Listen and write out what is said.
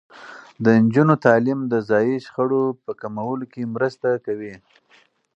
د نجونو تعلیم د ځايي شخړو په کمولو کې مرسته کوي.